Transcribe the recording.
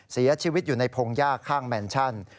เสียชีวิตอยู่ในพงหญ้าข้างแมนชั่น